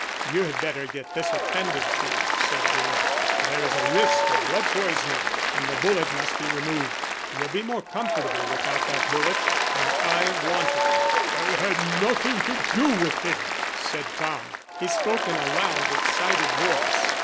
"You had better get this attended to," said Gillett. "There is a risk of blood poisoning and the bullet must be removed. You'll be more comfortable without that bullet, and I want it." "I had nothing to do with him," said Tom. He spoke in a loud excited voice.